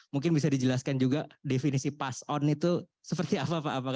mungkin bisa dijelaskan juga definisi pass on itu seperti apa pak